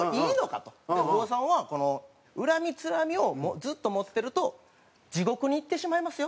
お坊さんは「恨みつらみをずっと持ってると地獄に行ってしまいますよ」